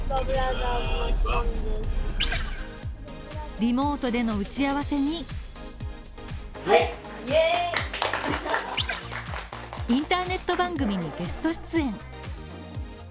リモートでの打ち合わせにインターネット番組にゲスト出演。